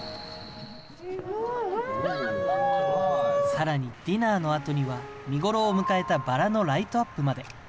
さらに、ディナーのあとには見頃を迎えたバラのライトアップまで。